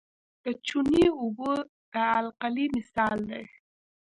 د چونې اوبه د القلي مثال دی.